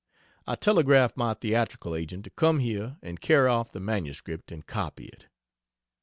I telegraphed my theatrical agent to come here and carry off the MS and copy it.